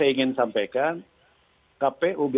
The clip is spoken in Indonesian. ke ulang tahunbol expanded